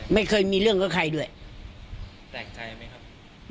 ไม่เคยมีเรื่องกับใครด้วยแปลกใจไหมครับ